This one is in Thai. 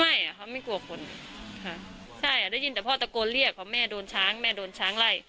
อ่ะเขาไม่กลัวคนค่ะใช่อ่ะได้ยินแต่พ่อตะโกนเรียกเพราะแม่โดนช้างแม่โดนช้างไล่